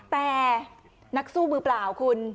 แต่นักสู้มือเปล่าคุณ